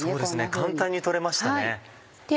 簡単に取れましたね。